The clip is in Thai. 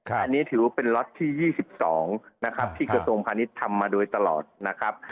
อันนี้ถือว่าเป็นล็อตที่๒๒นะครับที่กระทรวงพาณิชย์ทำมาโดยตลอดนะครับ